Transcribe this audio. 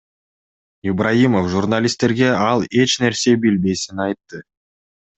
Ибраимов журналисттерге ал эч нерсе билбесин айтты.